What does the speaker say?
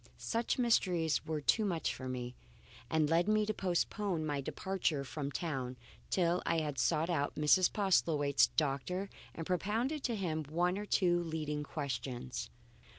Such mysteries were too much for me, and led me to postpone my departure from town till I had sought out Mrs. Postlethwaite's doctor and propounded to him one or two leading questions.